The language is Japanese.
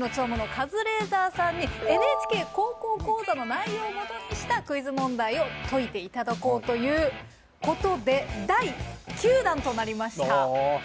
カズレーザーさんに「ＮＨＫ高校講座」の内容をもとにしたクイズ問題を解いていただこうということで第９弾となりました。